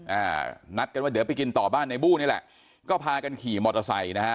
อ่านัดกันว่าเดี๋ยวไปกินต่อบ้านในบู้นี่แหละก็พากันขี่มอเตอร์ไซค์นะฮะ